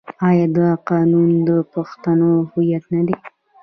آیا دا قانون د پښتنو هویت نه دی؟